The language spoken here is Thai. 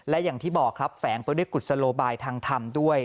และอย่างที่บอกครับแฝงไปด้วยกุศโลบายทางธรรมด้วย